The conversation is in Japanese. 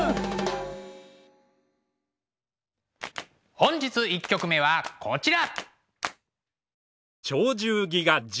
本日１曲目はこちら。